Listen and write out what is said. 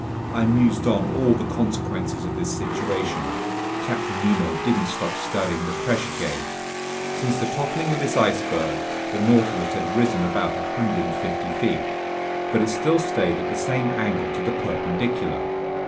I mused on all the consequences of this situation. Captain Nemo didn't stop studying the pressure gauge. Since the toppling of this iceberg, the Nautilus had risen about 150 feet, but it still stayed at the same angle to the perpendicular.